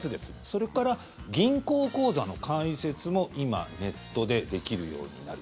それから、銀行口座の開設も今、ネットでできるようになる。